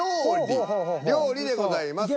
「料理」でございます。